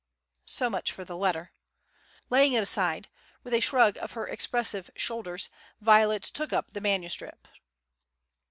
So much for the letter. Laying it aside, with a shrug of her expressive shoulders, Violet took up the manuscript.